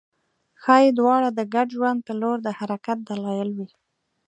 ښايي دواړه د ګډ ژوند په لور د حرکت دلایل وي